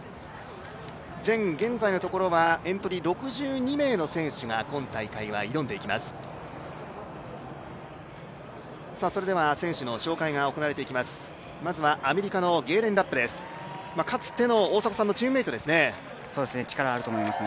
現在のところエントリー、６２名の選手が今大会は挑んでいきます。